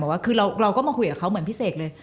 ว่าคือเราก็มาคุยกับเขาเหมือนพี่เสกเลย